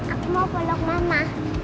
aku mau peluk mama